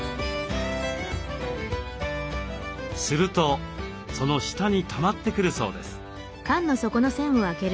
するとその下にたまってくるそうです。